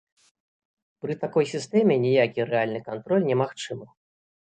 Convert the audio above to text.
Пры такой сістэме ніякі рэальны кантроль немагчымы.